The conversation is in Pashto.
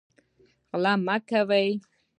غلا مه کوئ